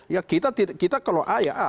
ya kita kalau a ya a